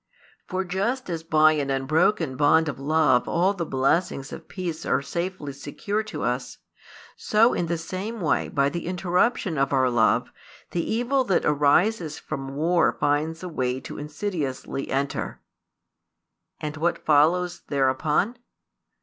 For just as by an unbroken bond of love all the blessings of peace are safely secured to us, so in the same way by the interruption of our love the evil that arises from war finds a way to insidiously enter. And what follows thereupon?